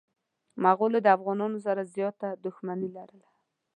مغولو د افغانانو سره زياته دښمني لرله.